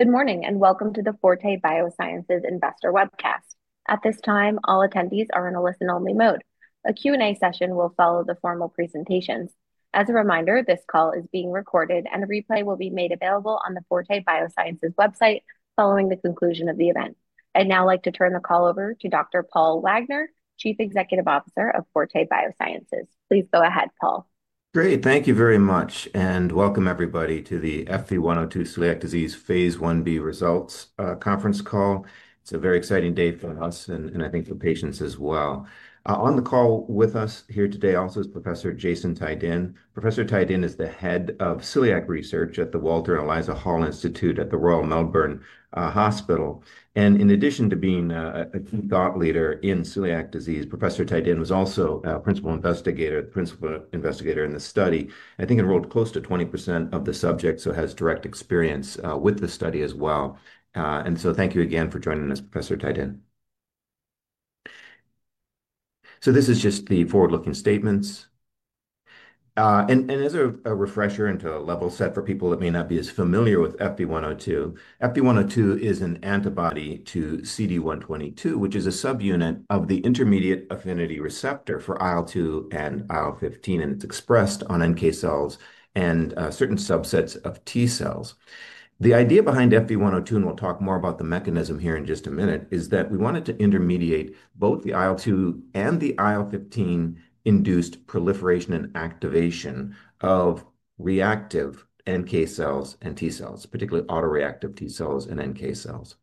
Good morning and welcome to the Forte Biosciences Investor Webcast. At this time, all attendees are in a listen-only mode. A Q&A session will follow the formal presentations. As a reminder, this call is being recorded and a replay will be made available on the Forte Biosciences website following the conclusion of the event. I'd now like to turn the call over to Dr. Paul Wagner, Chief Executive Officer of Forte Biosciences. Please go ahead, Paul. Great. Thank you very much. Welcome, everybody, to the FB102 Celiac Disease phase 1B Results Conference Call. It's a very exciting day for us, and I think for patients as well. On the call with us here today also is Professor Jason Tye-Din. Professor Tye-Din is the head of Celiac Research at the Walter and Eliza Hall Institute at the Royal Melbourne Hospital. In addition to being a key thought leader in celiac disease, Professor Tye-Din was also a principal investigator in the study. I think enrolled close to 20% of the subjects, so has direct experience with the study as well. Thank you again for joining us, Professor Tye-Din. This is just the forward-looking statements. As a refresher and to level set for people that may not be as familiar with FB102, FB102 is an antibody to CD122, which is a subunit of the intermediate affinity receptor for IL-2 and IL-15, and it's expressed on NK cells and certain subsets of T cells. The idea behind FB102, and we'll talk more about the mechanism here in just a minute, is that we wanted to intermediate both the IL-2 and the IL-15 induced proliferation and activation of reactive NK cells and T cells, particularly autoreactive T cells and NK cells.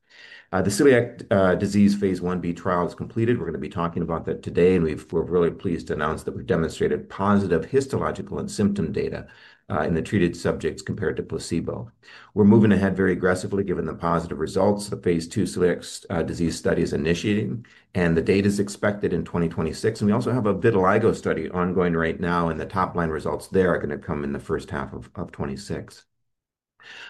The celiac disease phase 1B trial is completed. We're going to be talking about that today, and we're really pleased to announce that we've demonstrated positive histological and symptom data in the treated subjects compared to placebo. We're moving ahead very aggressively given the positive results of the phase 2 celiac disease studies initiating, and the data is expected in 2026. We also have a vitiligo study ongoing right now, and the top line results there are going to come in the first half of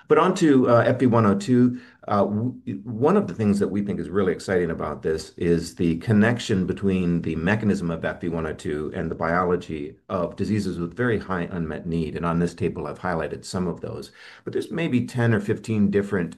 2026. On to FB102, one of the things that we think is really exciting about this is the connection between the mechanism of FB102 and the biology of diseases with very high unmet need. On this table, I've highlighted some of those. There are maybe 10 or 15 different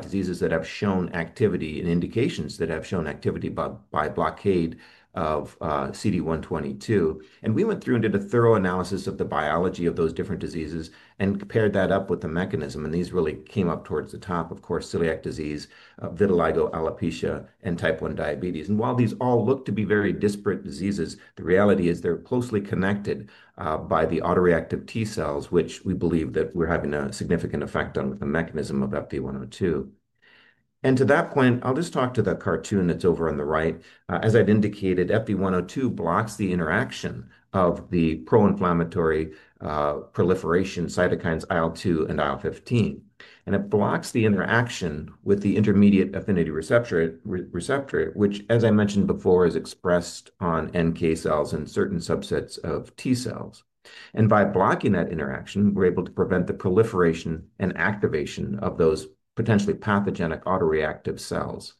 diseases that have shown activity and indications that have shown activity by blockade of CD122. We went through and did a thorough analysis of the biology of those different diseases and paired that up with the mechanism. These really came up towards the top, of course, celiac disease, vitiligo, alopecia, and type 1 diabetes. While these all look to be very disparate diseases, the reality is they're closely connected by the autoreactive T cells, which we believe that we're having a significant effect on with the mechanism of FB102. To that point, I'll just talk to the cartoon that's over on the right. As I'd indicated, FB102 blocks the interaction of the pro-inflammatory proliferation cytokines IL-2 and IL-15. It blocks the interaction with the intermediate affinity receptor, which, as I mentioned before, is expressed on NK cells and certain subsets of T cells. By blocking that interaction, we're able to prevent the proliferation and activation of those potentially pathogenic autoreactive cells.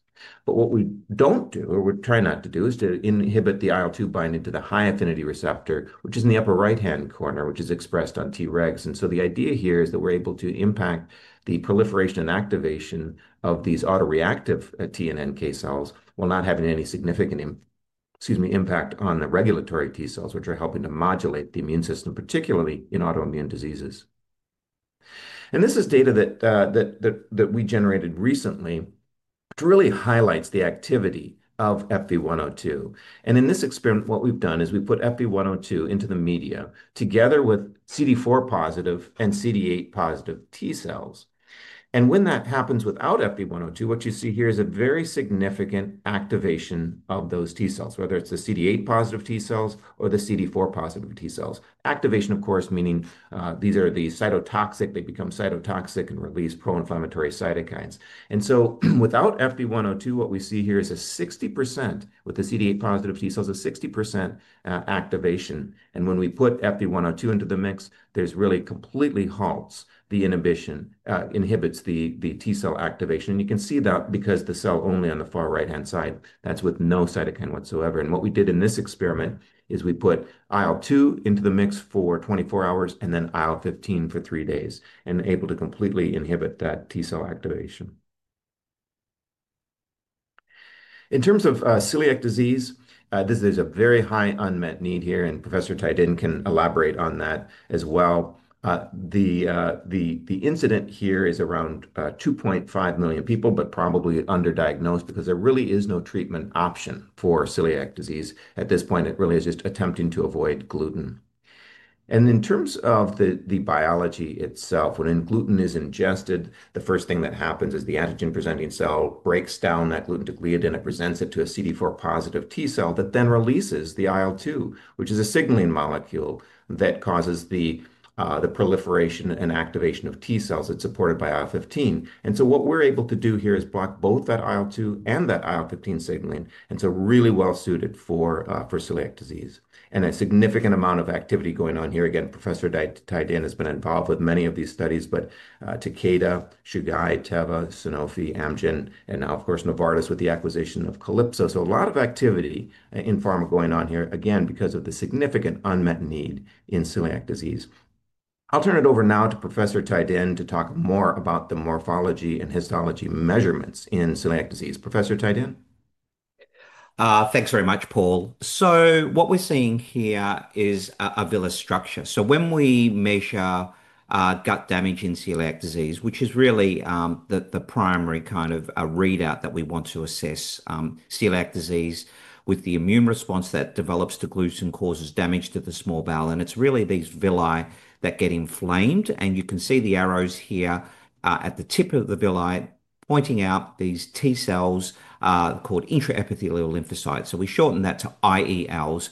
What we do not do, or we try not to do, is to inhibit the IL-2 binding to the high affinity receptor, which is in the upper right-hand corner, which is expressed on Tregs. The idea here is that we are able to impact the proliferation and activation of these autoreactive T and NK cells while not having any significant impact on the regulatory T cells, which are helping to modulate the immune system, particularly in autoimmune diseases. This is data that we generated recently. It really highlights the activity of FB102. In this experiment, what we have done is we put FB102 into the media together with CD4+ and CD8+ T cells. When that happens without FB102, what you see here is a very significant activation of those T cells, whether it is the CD8+ T cells or the CD4+ T cells. Activation, of course, meaning these are the cytotoxic, they become cytotoxic and release pro-inflammatory cytokines. Without FB102, what we see here is a 60% with the CD8+ T cells, a 60% activation. When we put FB102 into the mix, this really completely halts the inhibition, inhibits the T cell activation. You can see that because the cell only on the far right-hand side, that's with no cytokine whatsoever. What we did in this experiment is we put IL-2 into the mix for 24 hours and then IL-15 for three days, and able to completely inhibit that T cell activation. In terms of celiac disease, there's a very high unmet need here, and Professor Tye-Din can elaborate on that as well. The incidence here is around 2.5 million people, but probably underdiagnosed because there really is no treatment option for celiac disease at this point. It really is just attempting to avoid gluten. In terms of the biology itself, when gluten is ingested, the first thing that happens is the antigen-presenting cell breaks down that gluten to gliadin, it presents it to a CD4 positive T cell that then releases the IL-2, which is a signaling molecule that causes the proliferation and activation of T cells that is supported by IL-15. What we are able to do here is block both that IL-2 and that IL-15 signaling, and so really well suited for celiac disease. A significant amount of activity going on here. Again, Professor Tye-Din has been involved with many of these studies, but Takeda, Chugai, Teva, Sanofi, Amgen, and now, of course, Novartis with the acquisition of Calypso. A lot of activity in pharma going on here, again, because of the significant unmet need in celiac disease. I'll turn it over now to Professor Tye-Din to talk more about the morphology and histology measurements in celiac disease. Professor Tye-Din? Thanks very much, Paul. What we're seeing here is a villus structure. When we measure gut damage in celiac disease, which is really the primary kind of readout that we want to assess, celiac disease with the immune response that develops to gluten causes damage to the small bowel. It's really these villi that get inflamed. You can see the arrows here at the tip of the villi pointing out these T cells called intraepithelial lymphocytes. We shorten that to IELs.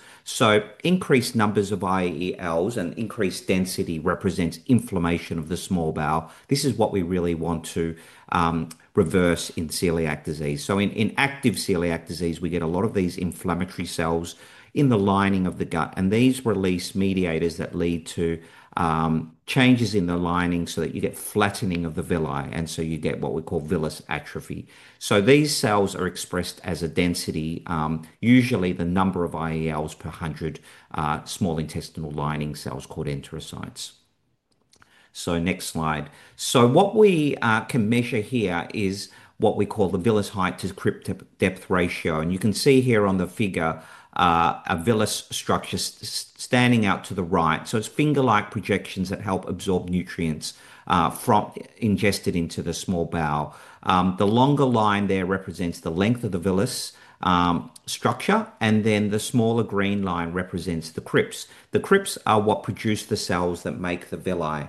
Increased numbers of IELs and increased density represents inflammation of the small bowel. This is what we really want to reverse in celiac disease. In active celiac disease, we get a lot of these inflammatory cells in the lining of the gut, and these release mediators that lead to changes in the lining so that you get flattening of the villi, and you get what we call villus atrophy. These cells are expressed as a density, usually the number of IELs per 100 small intestinal lining cells called enterocytes. Next slide. What we can measure here is what we call the villus height to crypt depth ratio. You can see here on the figure a villus structure standing out to the right. It's finger-like projections that help absorb nutrients from ingested into the small bowel. The longer line there represents the length of the villus structure, and the smaller green line represents the crypts. The crypts are what produce the cells that make the villi.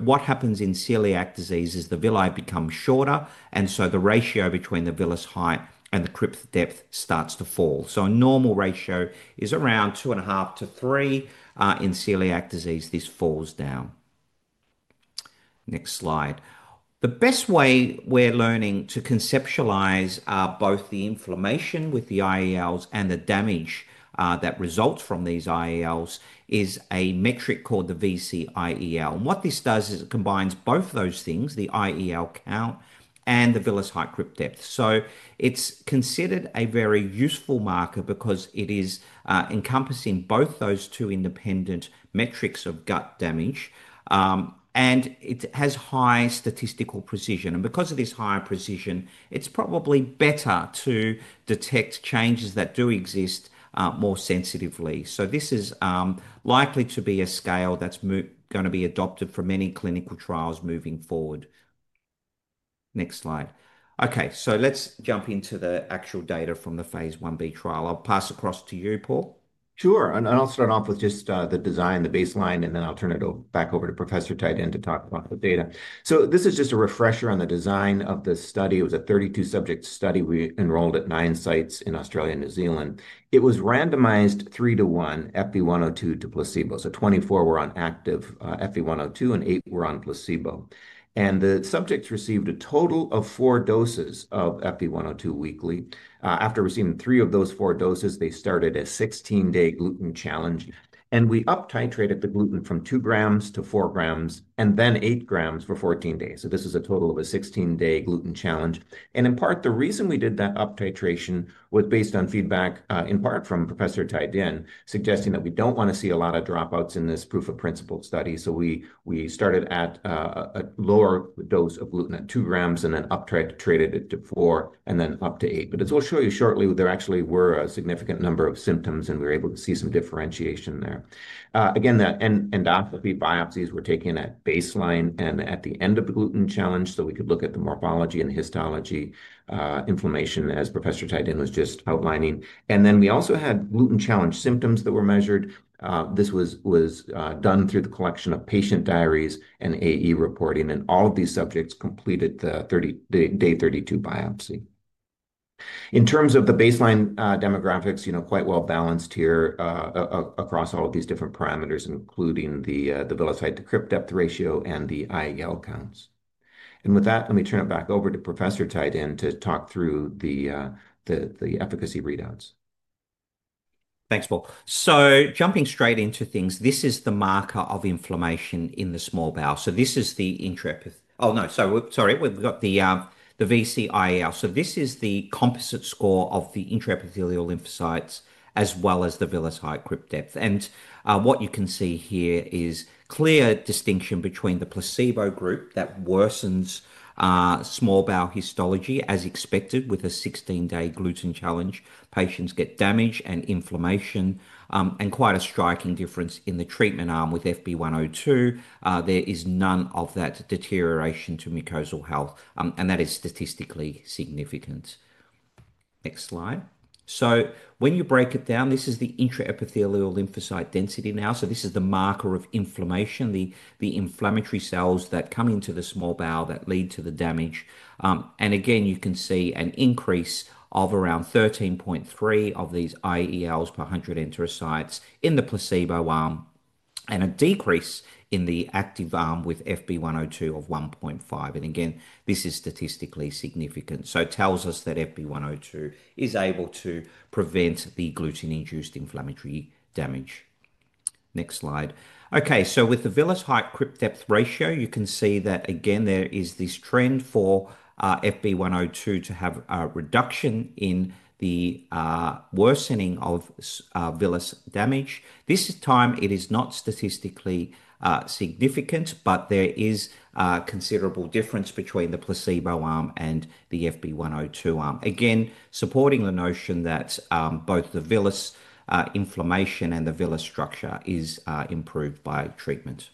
What happens in celiac disease is the villi become shorter, and the ratio between the villus height and the crypt depth starts to fall. A normal ratio is around two and a half to three in celiac disease. This falls down. Next slide. The best way we're learning to conceptualize both the inflammation with the IELs and the damage that results from these IELs is a metric called the VC-IEL. What this does is it combines both those things, the IEL count and the villus height crypt depth. It is considered a very useful marker because it is encompassing both those two independent metrics of gut damage, and it has high statistical precision. Because of this higher precision, it's probably better to detect changes that do exist more sensitively. This is likely to be a scale that's going to be adopted for many clinical trials moving forward. Next slide. Okay, let's jump into the actual data from the phase 1B trial. I'll pass across to you, Paul. Sure. I'll start off with just the design, the baseline, and then I'll turn it back over to Professor Tye-Din to talk about the data. This is just a refresher on the design of the study. It was a 32-subject study. We enrolled at nine sites in Australia and New Zealand. It was randomized three to one FB102 to placebo. Twenty-four were on active FB102 and eight were on placebo. The subjects received a total of four doses of FB102 weekly. After receiving three of those four doses, they started a 16-day gluten challenge, and we up-titrated the gluten from 2 gm to 4 gm and then 8 gm for 14 days. This is a total of a 16-day gluten challenge. In part, the reason we did that up-titration was based on feedback, in part from Professor Tye-Din, suggesting that we do not want to see a lot of dropouts in this proof-of-principle study. We started at a lower dose of gluten at 2 gm and then up-titrated it to 4 and then up to 8. As we will show you shortly, there actually were a significant number of symptoms, and we were able to see some differentiation there. The endoscopy biopsies were taken at baseline and at the end of the gluten challenge so we could look at the morphology and histology inflammation, as Professor Tye-Din was just outlining. We also had gluten challenge symptoms that were measured. This was done through the collection of patient diaries and AE reporting, and all of these subjects completed the day 32 biopsy. In terms of the baseline demographics, quite well balanced here across all of these different parameters, including the villus height to crypt depth ratio and the IEL counts. With that, let me turn it back over to Professor Tye-Din to talk through the efficacy readouts. Thanks, Paul. Jumping straight into things, this is the marker of inflammation in the small bowel. This is the intraepithelial—oh, no, sorry, sorry, we have the VC-IEL. This is the composite score of the intraepithelial lymphocytes as well as the villus height crypt depth. What you can see here is clear distinction between the placebo group that worsens small bowel histology, as expected, with a 16-day gluten challenge. Patients get damage and inflammation, and quite a striking difference in the treatment arm with FB102. There is none of that deterioration to mucosal health, and that is statistically significant. Next slide. When you break it down, this is the intraepithelial lymphocyte density now. This is the marker of inflammation, the inflammatory cells that come into the small bowel that lead to the damage. You can see an increase of around 13.3 of these IELs per 100 enterocytes in the placebo arm and a decrease in the active arm with FB102 of 1.5. This is statistically significant. It tells us that FB102 is able to prevent the gluten-induced inflammatory damage. Next slide. With the villus height crypt depth ratio, you can see that there is this trend for FB102 to have a reduction in the worsening of villus damage. This time, it is not statistically significant, but there is a considerable difference between the placebo arm and the FB102 arm. This supports the notion that both the villus inflammation and the villus structure is improved by treatment.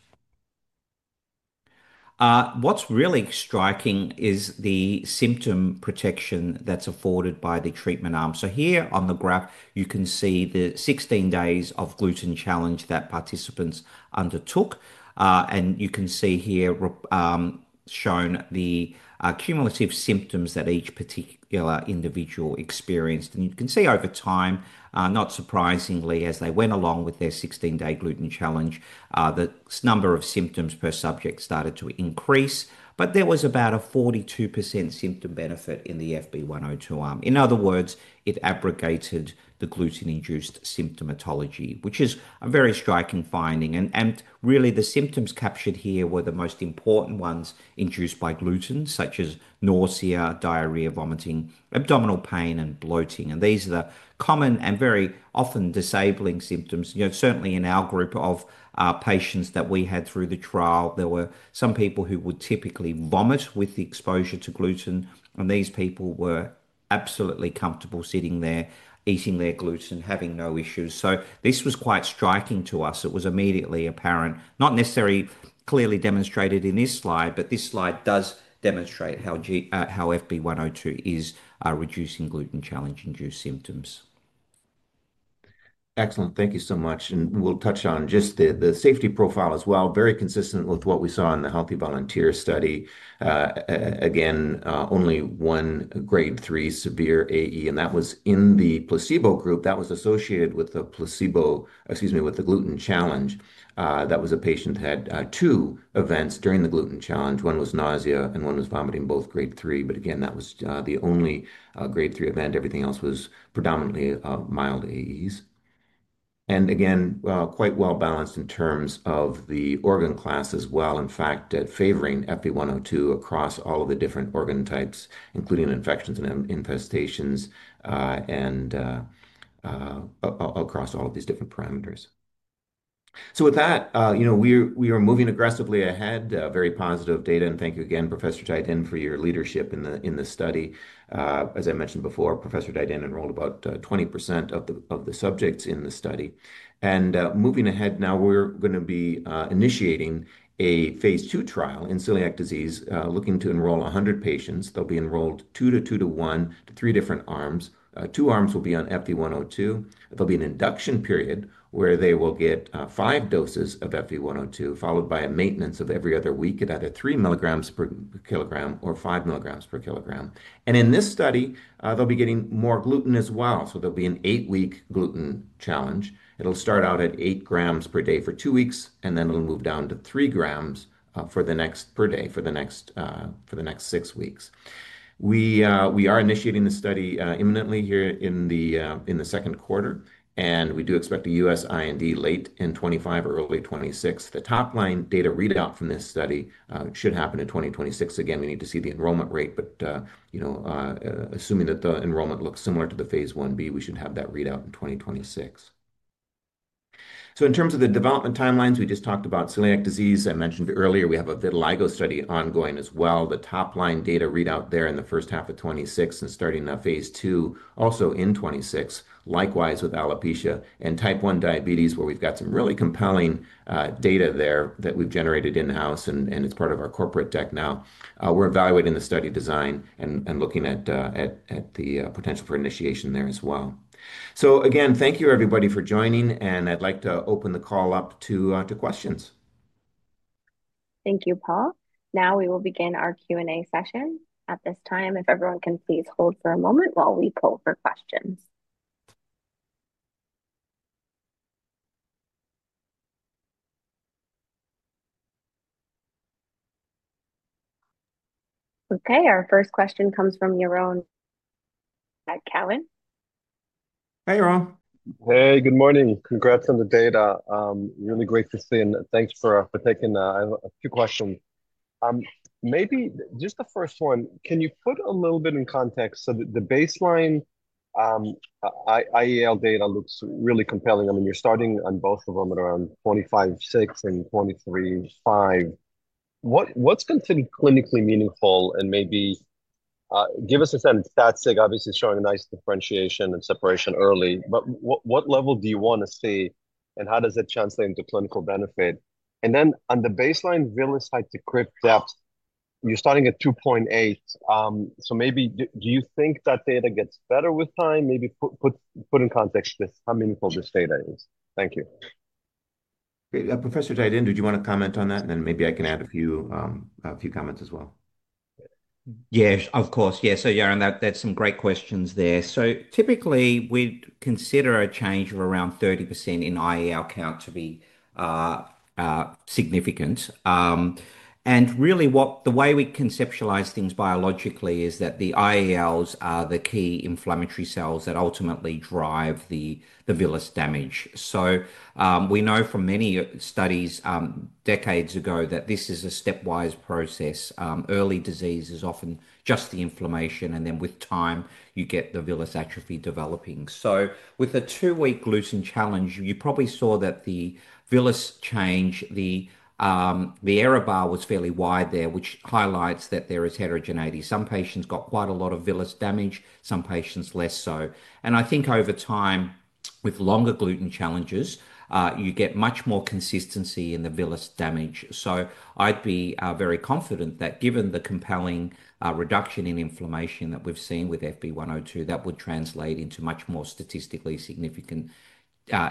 What is really striking is the symptom protection that is afforded by the treatment arm. Here on the graph, you can see the 16 days of gluten challenge that participants undertook. You can see here shown the cumulative symptoms that each particular individual experienced. You can see over time, not surprisingly, as they went along with their 16-day gluten challenge, the number of symptoms per subject started to increase, but there was about a 42% symptom benefit in the FB102 arm. In other words, it abrogated the gluten-induced symptomatology, which is a very striking finding. Really, the symptoms captured here were the most important ones induced by gluten, such as nausea, diarrhea, vomiting, abdominal pain, and bloating. These are the common and very often disabling symptoms. Certainly, in our group of patients that we had through the trial, there were some people who would typically vomit with the exposure to gluten, and these people were absolutely comfortable sitting there, eating their gluten, having no issues. This was quite striking to us. It was immediately apparent, not necessarily clearly demonstrated in this slide, but this slide does demonstrate how FB102 is reducing gluten challenge-induced symptoms. Excellent. Thank you so much. We will touch on just the safety profile as well, very consistent with what we saw in the Healthy Volunteer study. Again, only one grade three severe AE, and that was in the placebo group. That was associated with the placebo, excuse me, with the gluten challenge. That was a patient who had two events during the gluten challenge. One was nausea and one was vomiting, both grade three. Again, that was the only grade three event. Everything else was predominantly mild AEs. Again, quite well balanced in terms of the organ class as well, in fact, favoring FB102 across all of the different organ types, including infections and infestations across all of these different parameters. With that, we are moving aggressively ahead. Very positive data. Thank you again, Professor Tye-Din, for your leadership in the study. As I mentioned before, Professor Tye-Din enrolled about 20% of the subjects in the study. Moving ahead now, we're going to be initiating a phase 2 trial in celiac disease, looking to enroll 100 patients. They'll be enrolled two to two to one to three different arms. Two arms will be on FB102. There will be an induction period where they will get five doses of FB102, followed by a maintenance of every other week at either 3 mg/kg or 5 mg/kg. In this study, they'll be getting more gluten as well. There will be an eight-week gluten challenge. It will start out at 8 gm per day for two weeks, and then it will move down to 3 gm per day for the next six weeks. We are initiating the study imminently here in the second quarter, and we do expect a US IND late in 2025 or early 2026. The top-line data readout from this study should happen in 2026. Again, we need to see the enrollment rate, but assuming that the enrollment looks similar to the phase 1B, we should have that readout in 2026. In terms of the development timelines, we just talked about celiac disease. I mentioned earlier we have a vitiligo study ongoing as well. The top-line data readout there in the first half of 2026 and starting phase 2, also in 2026, likewise with alopecia and type 1 diabetes, where we've got some really compelling data there that we've generated in-house, and it's part of our corporate tech now. We're evaluating the study design and looking at the potential for initiation there as well. Again, thank you, everybody, for joining, and I'd like to open the call up to questions. Thank you, Paul. Now we will begin our Q&A session. At this time, if everyone can please hold for a moment while we pull for questions. Okay, our first question comes from Yaron Kalin. Hey, Yaron. Hey, good morning. Congrats on the data. Really great to see, and thanks for taking a few questions. Maybe just the first one, can you put a little bit in context so that the baseline IEL data looks really compelling? I mean, you're starting on both of them at around 25.6 and 23.5. What's considered clinically meaningful and maybe give us a sense? Stats, obviously, showing a nice differentiation and separation early, but what level do you want to see, and how does it translate into clinical benefit? On the baseline villus height to crypt depth, you're starting at 2.8. Maybe do you think that data gets better with time? Maybe put in context just how meaningful this data is. Thank you. Professor Tye-Din, did you want to comment on that? Maybe I can add a few comments as well. Yes, of course. Yes. Yaron, that's some great questions there. Typically, we'd consider a change of around 30% in IEL count to be significant. Really, the way we conceptualize things biologically is that the IELs are the key inflammatory cells that ultimately drive the villus damage. We know from many studies decades ago that this is a stepwise process. Early disease is often just the inflammation, and then with time, you get the villus atrophy developing. With a two-week gluten challenge, you probably saw that the villus change, the error bar was fairly wide there, which highlights that there is heterogeneity. Some patients got quite a lot of villus damage, some patients less so. I think over time, with longer gluten challenges, you get much more consistency in the villus damage. I'd be very confident that given the compelling reduction in inflammation that we've seen with FB102, that would translate into much more statistically significant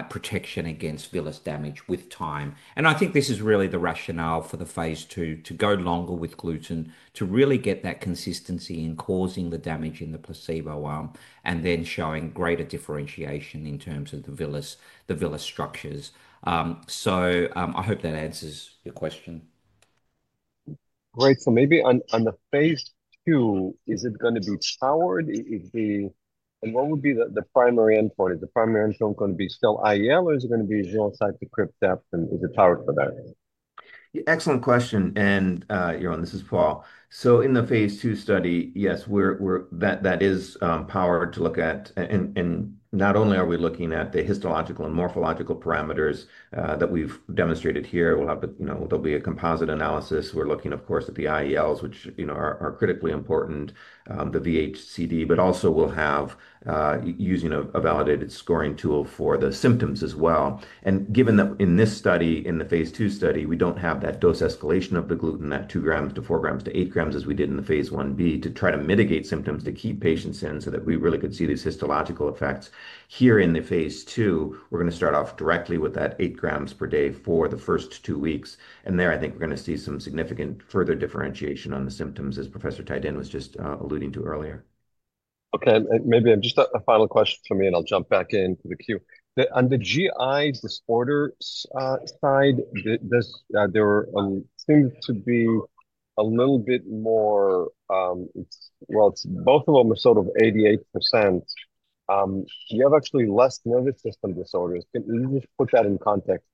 protection against villus damage with time. I think this is really the rationale for the phase 2, to go longer with gluten to really get that consistency in causing the damage in the placebo arm and then showing greater differentiation in terms of the villus structures. I hope that answers your question. Great. Maybe on the phase 2, is it going to be powered? What would be the primary endpoint? Is the primary endpoint going to be still IEL, or is it going to be a villus height to crypt depth, and is it powered for that? Excellent question. Yaron, this is Paul. In the phase 2 study, yes, that is powered to look at, and not only are we looking at the histological and morphological parameters that we've demonstrated here, there will be a composite analysis. We are looking, of course, at the IELs, which are critically important, the VHCD, but also we will have using a validated scoring tool for the symptoms as well. Given that in this study, in the phase 2 study, we do not have that dose escalation of the gluten, that 2 gm to 4 gm to 8 gm as we did in the phase 1B, to try to mitigate symptoms to keep patients in so that we really could see these histological effects. Here in the phase 2, we are going to start off directly with that 8 gm per day for the first two weeks. I think we're going to see some significant further differentiation on the symptoms, as Professor Tye-Din was just alluding to earlier. Okay. Maybe just a final question for me, and I'll jump back into the queue. On the GI disorder side, there seems to be a little bit more, well, both of them are sort of 88%. You have actually less nervous system disorders. Can you just put that in context,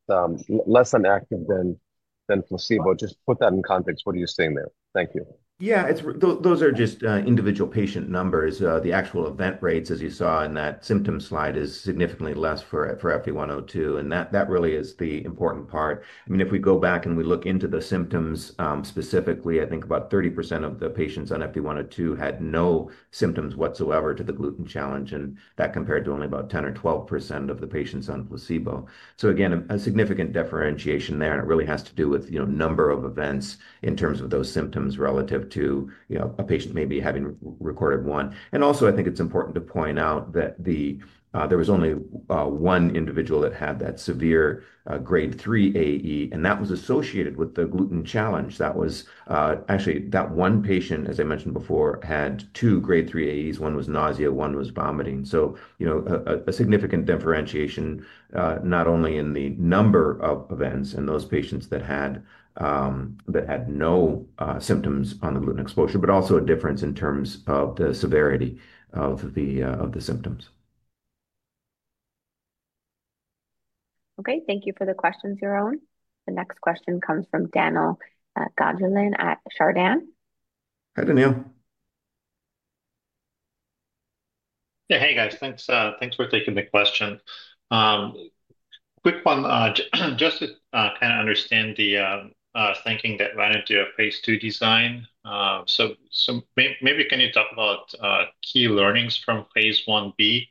less than active than placebo? Just put that in context. What are you seeing there? Thank you. Yeah, those are just individual patient numbers. The actual event rates, as you saw in that symptom slide, are significantly less for FB102, and that really is the important part. I mean, if we go back and we look into the symptoms specifically, I think about 30% of the patients on FB102 had no symptoms whatsoever to the gluten challenge, and that compared to only about 10% or 12% of the patients on placebo. Again, a significant differentiation there, and it really has to do with the number of events in terms of those symptoms relative to a patient maybe having recorded one. Also, I think it's important to point out that there was only one individual that had that severe grade three AE, and that was associated with the gluten challenge. Actually, that one patient, as I mentioned before, had two grade three AEs. One was nausea. One was vomiting. A significant differentiation, not only in the number of events in those patients that had no symptoms on the gluten exposure, but also a difference in terms of the severity of the symptoms. Okay. Thank you for the questions, Yaron. The next question comes from Dan2l Gataulin at Chardan. Hi, Danil. Yeah, hey, guys. Thanks for taking the question. Quick one, just to kind of understand the thinking that went into a phase 2 design. So maybe can you talk about key learnings from phase 1B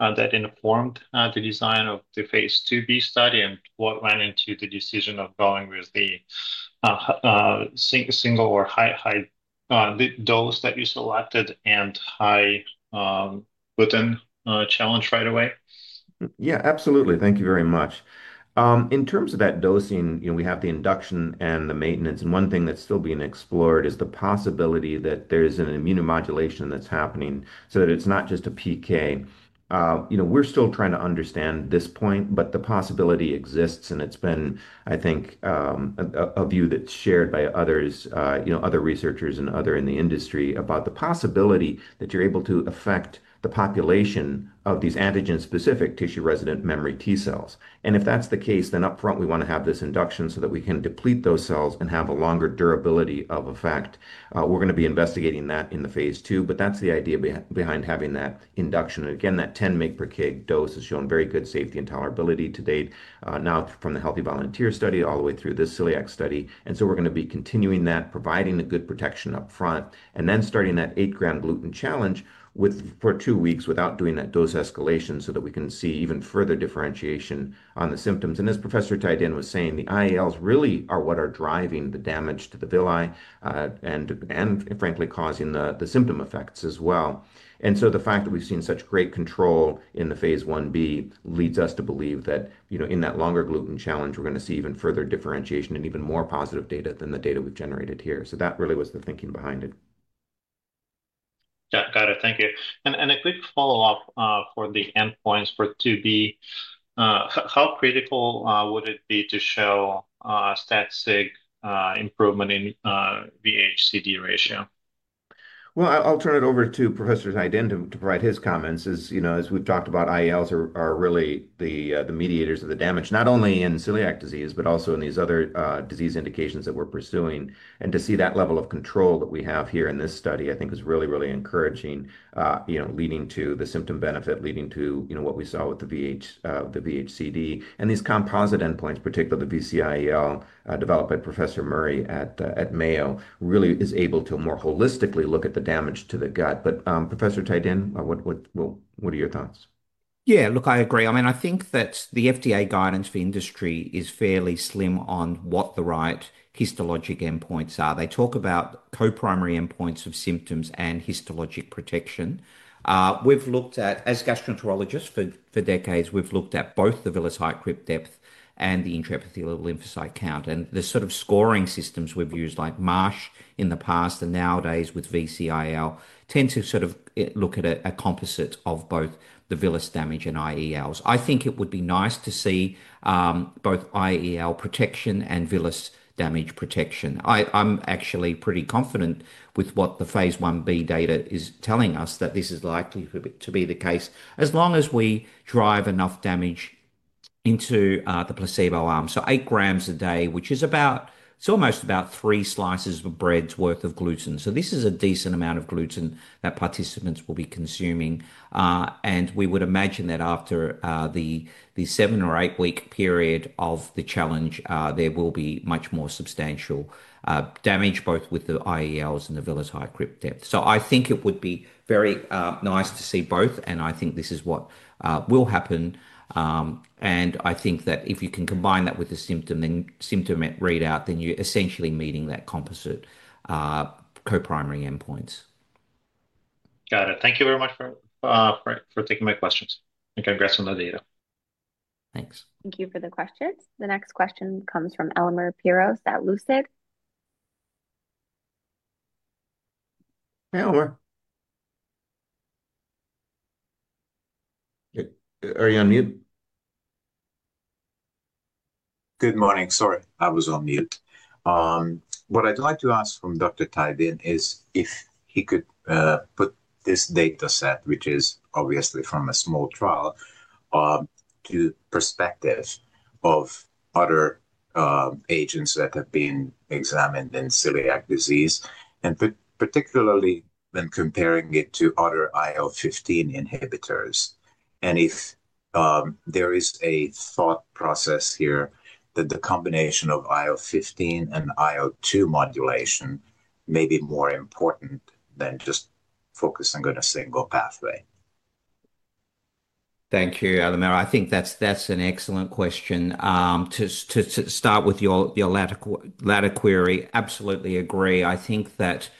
that informed the design of the phase 2B study and what went into the decision of going with the single or high dose that you selected and high gluten challenge right away? Yeah, absolutely. Thank you very much. In terms of that dosing, we have the induction and the maintenance. One thing that's still being explored is the possibility that there is an immunomodulation that's happening so that it's not just a PK. We're still trying to understand this point, but the possibility exists, and it's been, I think, a view that's shared by others, other researchers, and others in the industry about the possibility that you're able to affect the population of these antigen-specific tissue-resident memory T cells. If that's the case, then upfront, we want to have this induction so that we can deplete those cells and have a longer durability of effect. We're going to be investigating that in the phase 2, but that's the idea behind having that induction. That 10 mg/kg dose has shown very good safety and tolerability to date, now from the Healthy Volunteer study all the way through this celiac study. We are going to be continuing that, providing a good protection upfront, and then starting that 8gm gluten challenge for two weeks without doing that dose escalation so that we can see even further differentiation on the symptoms. As Professor Tye-Din was saying, the IELs really are what are driving the damage to the villi and, frankly, causing the symptom effects as well. The fact that we have seen such great control in the phase 1B leads us to believe that in that longer gluten challenge, we are going to see even further differentiation and even more positive data than the data we have generated here. That really was the thinking behind it. Got it. Thank you. A quick follow-up for the endpoints for 2B, how critical would it be to show static improvement in VH:CD ratio? I'll turn it over to Professor Tye-Din to provide his comments. As we've talked about, IELs are really the mediators of the damage, not only in celiac disease, but also in these other disease indications that we're pursuing. To see that level of control that we have here in this study, I think, is really, really encouraging, leading to the symptom benefit, leading to what we saw with the VH:CD. These composite endpoints, particularly the VC-IEL developed by Professor Murray at Mayo, really are able to more holistically look at the damage to the gut. Professor Tye-Din, what are your thoughts? Yeah, look, I agree. I mean, I think that the FDA guidance for industry is fairly slim on what the right histologic endpoints are. They talk about co-primary endpoints of symptoms and histologic protection. As gastroenterologists for decades, we've looked at both the villus height, crypt depth, and the intraepithelial lymphocyte count. The sort of scoring systems we've used, like MASH in the past and nowadays with VC-IEL, tend to sort of look at a composite of both the villus damage and IELs. I think it would be nice to see both IEL protection and villus damage protection. I'm actually pretty confident with what the phase 1B data is telling us that this is likely to be the case as long as we drive enough damage into the placebo arm. 8 gm a day, which is almost about three slices of a bread's worth of gluten. This is a decent amount of gluten that participants will be consuming. We would imagine that after the seven or eight-week period of the challenge, there will be much more substantial damage, both with the IELs and the villus height, crypt depth. I think it would be very nice to see both, and I think this is what will happen. I think that if you can combine that with the symptom readout, then you're essentially meeting that composite co-primary endpoints. Got it. Thank you very much for taking my questions. Congrats on the data. Thanks. Thank you for the questions. The next question comes from Elemer Piros at Lucid. Hey, Elmer. Are you on mute? Good morning. Sorry, I was on mute. What I'd like to ask from Dr. Tye-Din is if he could put this dataset, which is obviously from a small trial, to the perspective of other agents that have been examined in celiac disease, and particularly when comparing it to other IL-15 inhibitors. If there is a thought process here that the combination of IL-15 and IL-2 modulation may be more important than just focusing on a single pathway. Thank you, Elmer. I think that's an excellent question. To start with your latter query, absolutely agree. I think that,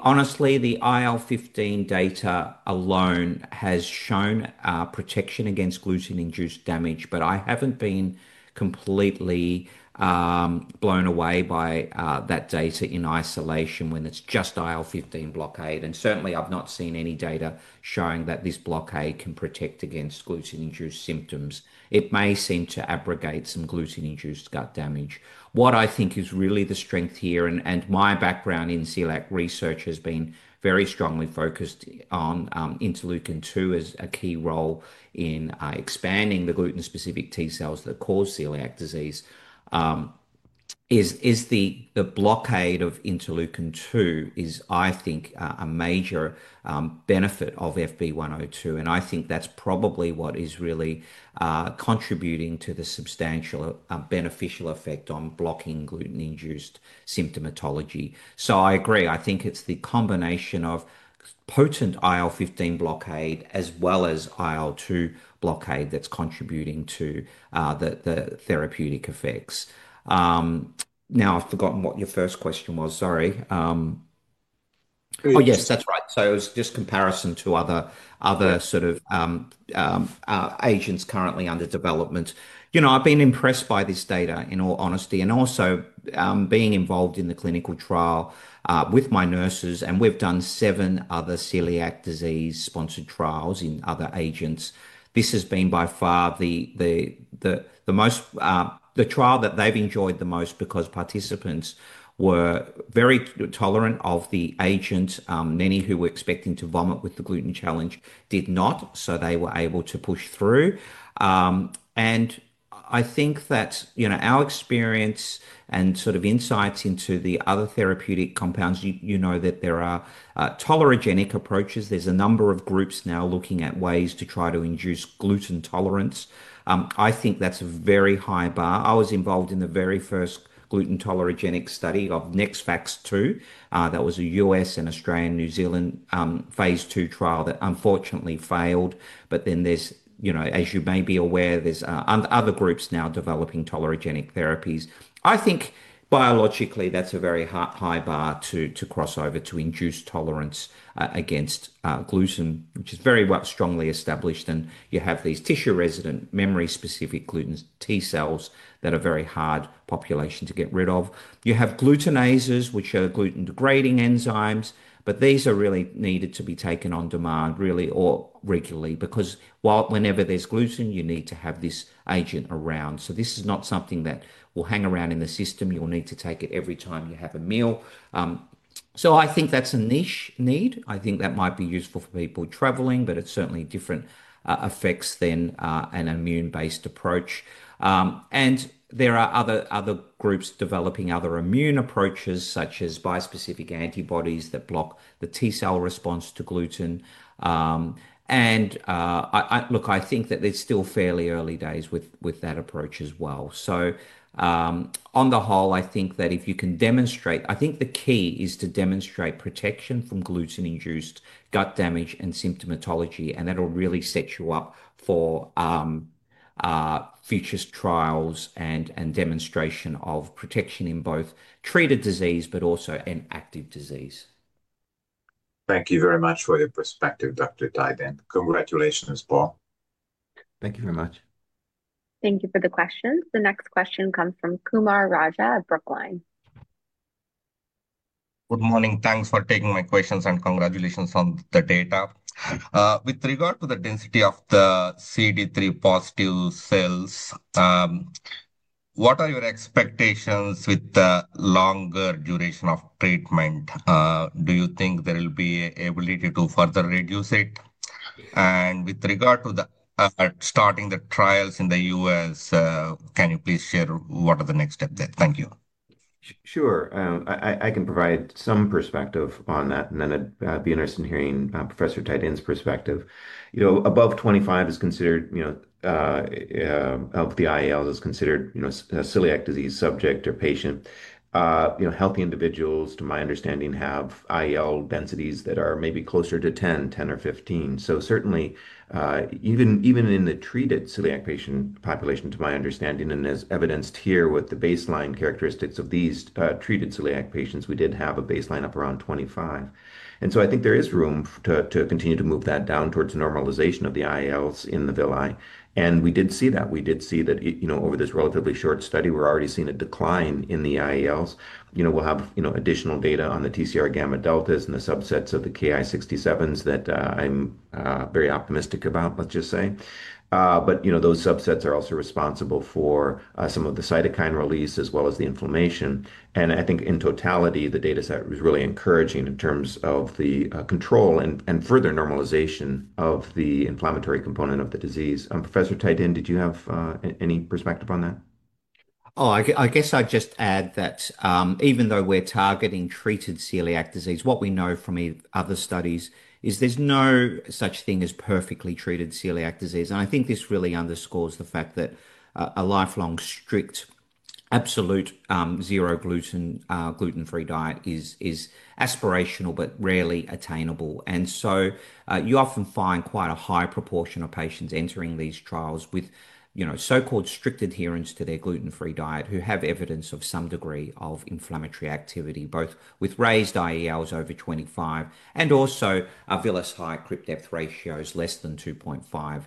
honestly, the IL-15 data alone has shown protection against gluten-induced damage, but I haven't been completely blown away by that data in isolation when it's just IL-15 blockade. I have not seen any data showing that this blockade can protect against gluten-induced symptoms. It may seem to abrogate some gluten-induced gut damage. What I think is really the strength here, and my background in celiac research has been very strongly focused on interleukin-2 as a key role in expanding the gluten-specific T cells that cause celiac disease, is the blockade of interleukin-2 is, I think, a major benefit of FB102. I think that's probably what is really contributing to the substantial beneficial effect on blocking gluten-induced symptomatology. I agree. I think it's the combination of potent IL-15 blockade as well as IL-2 blockade that's contributing to the therapeutic effects. Now, I've forgotten what your first question was. Sorry. Oh, yes, that's right. It was just comparison to other sort of agents currently under development. You know, I've been impressed by this data, in all honesty, and also being involved in the clinical trial with my nurses. We've done seven other celiac disease-sponsored trials in other agents. This has been, by far, the trial that they've enjoyed the most because participants were very tolerant of the agent. Many who were expecting to vomit with the gluten challenge did not, so they were able to push through. I think that our experience and sort of insights into the other therapeutic compounds, you know that there are tolerogenic approaches. There's a number of groups now looking at ways to try to induce gluten tolerance. I think that's a very high bar. I was involved in the very first gluten tolerogenic study of NextVax-2. That was a U.S. and Australia, New Zealand phase 2 trial that unfortunately failed. As you may be aware, there's other groups now developing tolerogenic therapies. I think biologically, that's a very high bar to cross over to induce tolerance against gluten, which is very strongly established. You have these tissue-resident memory-specific gluten T cells that are a very hard population to get rid of. You have glutenases, which are gluten-degrading enzymes, but these are really needed to be taken on demand, really, or regularly because whenever there's gluten, you need to have this agent around. This is not something that will hang around in the system. You'll need to take it every time you have a meal. I think that's a niche need. I think that might be useful for people traveling, but it's certainly different effects than an immune-based approach. There are other groups developing other immune approaches, such as bispecific antibodies that block the T cell response to gluten. I think that they're still fairly early days with that approach as well. On the whole, I think that if you can demonstrate, I think the key is to demonstrate protection from gluten-induced gut damage and symptomatology, and that'll really set you up for future trials and demonstration of protection in both treated disease but also in active disease. Thank you very much for your perspective, Dr. Tye-Din. Congratulations, Paul. Thank you very much. Thank you for the questions. The next question comes from Kumar Raja at Brookline. Good morning. Thanks for taking my questions and congratulations on the data. With regard to the density of the CD3 positive cells, what are your expectations with the longer duration of treatment? Do you think there will be an ability to further reduce it? With regard to starting the trials in the U.S., can you please share what are the next steps there? Thank you. Sure. I can provide some perspective on that, and then I'd be interested in hearing Professor Tye-Din's perspective. Above 25 is considered healthy; IEL is considered a celiac disease subject or patient. Healthy individuals, to my understanding, have IEL densities that are maybe closer to 10, 10 or 15. Certainly, even in the treated celiac patient population, to my understanding, and as evidenced here with the baseline characteristics of these treated celiac patients, we did have a baseline up around 25. I think there is room to continue to move that down towards normalization of the IELs in the villi. We did see that. We did see that over this relatively short study, we're already seeing a decline in the IELs. We'll have additional data on the TCR gamma deltas and the subsets of the Ki-67s that I'm very optimistic about, let's just say. Those subsets are also responsible for some of the cytokine release as well as the inflammation. I think in totality, the dataset was really encouraging in terms of the control and further normalization of the inflammatory component of the disease. Professor Tye-Din, did you have any perspective on that? Oh, I guess I'd just add that even though we're targeting treated celiac disease, what we know from other studies is there's no such thing as perfectly treated celiac disease. I think this really underscores the fact that a lifelong strict, absolute zero-gluten, gluten-free diet is aspirational but rarely attainable. You often find quite a high proportion of patients entering these trials with so-called strict adherence to their gluten-free diet who have evidence of some degree of inflammatory activity, both with raised IELs over 25 and also a villus height to crypt depth ratio less than 2.5.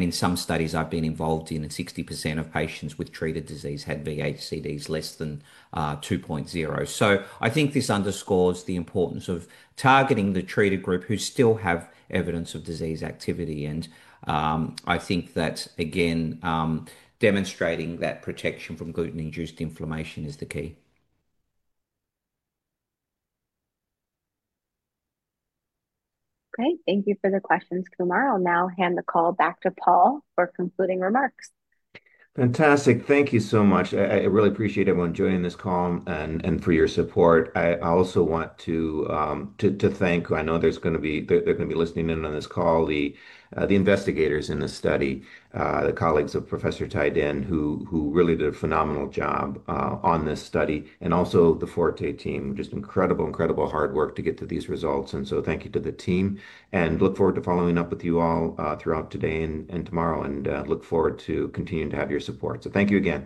In some studies I've been involved in, 60% of patients with treated disease had VHCDs less than 2.0. I think this underscores the importance of targeting the treated group who still have evidence of disease activity. I think that, again, demonstrating that protection from gluten-induced inflammation is the key. Great. Thank you for the questions, Kumar. I'll now hand the call back to Paul for concluding remarks. Fantastic. Thank you so much. I really appreciate everyone joining this call and for your support. I also want to thank, I know they're going to be listening in on this call, the investigators in this study, the colleagues of Professor Tye-Din who really did a phenomenal job on this study, and also the Forte team, just incredible, incredible hard work to get to these results. Thank you to the team. I look forward to following up with you all throughout today and tomorrow, and look forward to continuing to have your support. Thank you again.